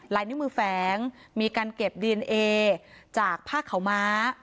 ลายนิ้วมือแฝงมีการเก็บดีเอนเอจากผ้าขาวม้า